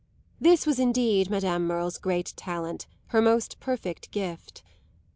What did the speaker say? This was indeed Madame Merle's great talent, her most perfect gift.